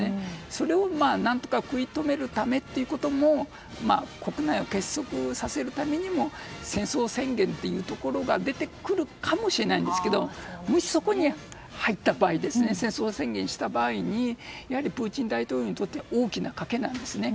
それを何とか食い止めるためということも国内を結束させるためにも戦争宣言というところが出てくるかもしれないですがもし、そこに入った場合戦争宣言した場合にやはりプーチン大統領にとっては大きな賭けなんですね。